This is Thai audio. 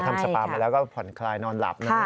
ทำสปามาแล้วก็ผ่อนคลายนอนหลับนะครับ